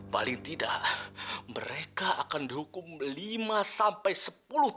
mungkin mereka akan bisa didisputkan